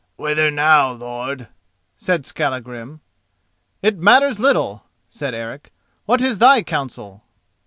"Whither now, lord?" said Skallagrim. "It matters little," said Eric. "What is thy counsel?"